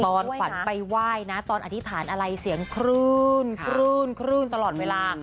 ตอนฝันไปไหว้นะตอนอธิษฐานอะไรเสียงครื่นตลอดเวลา